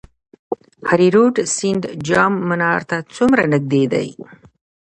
هریرود سیند جام منار ته څومره نږدې دی؟